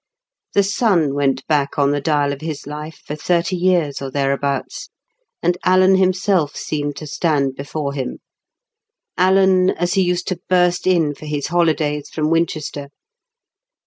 The sun went back on the dial of his life for thirty years or thereabouts, and Alan himself seemed to stand before him. Alan, as he used to burst in for his holidays from Winchester!